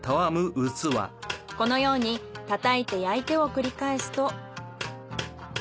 このように叩いて焼いてを繰り返すと。